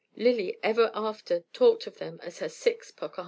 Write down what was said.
Lily ever after talked of them as the "six Pocahontases."